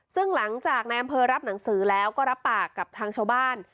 ซึ่งหลังจากนายอำเภอรับหนังสือแล้วก็รับปากกับทางชาวบ้าน